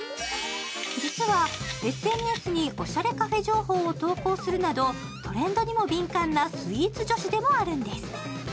実は、ＳＮＳにおしゃれカフェ情報を投稿するなどトレンドにも敏感なスイーツ女子でもあるんです。